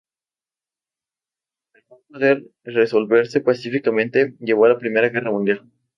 Al no poder resolverse pacíficamente, llevó a la Primera Guerra Mundial.